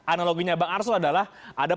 analoginya bang arsul adalah ada